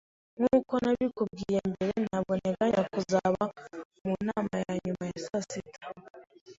Nkuko nabikubwiye mbere, ntabwo nteganya kuzaba mu nama ya nyuma ya saa sita.